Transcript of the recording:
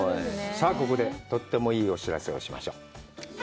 さあここでとってもいいお知らせをしましょう。